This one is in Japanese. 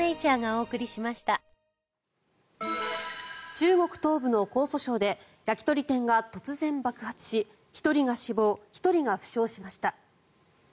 中国東部の江蘇省で焼き鳥店が突然、爆発し１人が死亡１人が負傷しました。